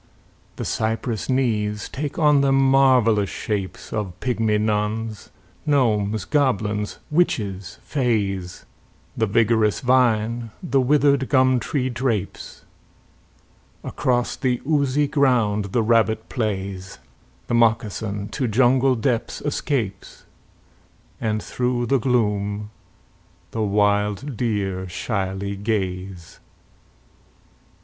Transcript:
The cypress knees take on them marvellous shapes Of pygmy nuns, gnomes, goblins, witches, fays, The vigorous vine the withered gum tree drapes, Across the oozy ground the rabbit plays, The moccasin to jungle depths escapes, And through the gloom the wild deer shyly gaze.